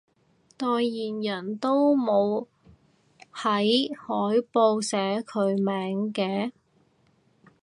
代言人都冇喺海報寫佢名嘅？